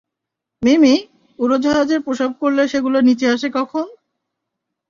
মিমি, উড়োজাহাজে প্রসাব করলে সেগুলো নিচে আসে কখন?